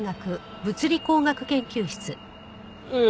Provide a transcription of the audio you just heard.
ええ。